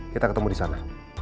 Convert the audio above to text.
kita ketemu disana